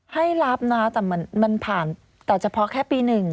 ให้รับนะแต่มันผ่านแต่เฉพาะแค่ปี๑